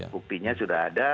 buktinya sudah ada